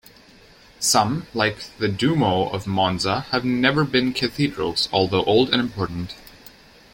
Some, like the Duomo of Monza, have never been cathedrals, although old and important.